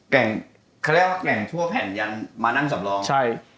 เขาเรียกว่าเก่งทั่วแผ่นยันมานั่งสำรอง